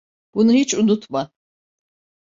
Bunu hiç unutma.